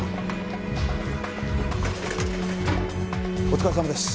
お疲れさまです。